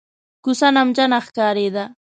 کوڅه نمجنه ښکارېده.